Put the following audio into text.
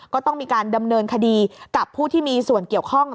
ก็ต้องมีการดำเนินคดีกับผู้ที่มีส่วนเกี่ยวข้อง